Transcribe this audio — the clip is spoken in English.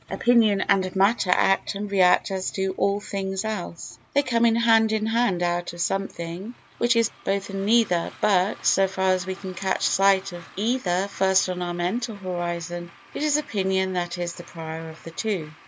Opinion and matter act and react as do all things else; they come up hand in hand out of something which is both and neither, but, so far as we can catch sight of either first on our mental horizon, it is opinion that is the prior of the two.